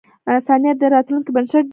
• ثانیه د راتلونکې بنسټ دی.